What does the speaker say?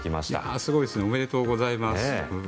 すごいですね。おめでとうございます。